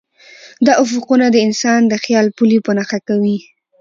دا افقونه د انسان د خیال پولې په نښه کوي.